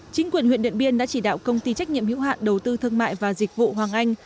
chính quyền huyện điện biên đã chỉ đạo công ty trách nhiệm hữu hạn đầu tư thương mại và dịch vụ hoàng anh